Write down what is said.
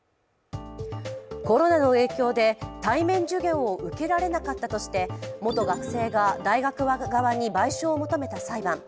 コロナの影響で対面授業を受けられなかったとして元学生が大学側に賠償を求めた裁判。